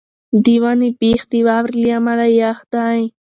د ونې بېخ د واورې له امله یخ دی.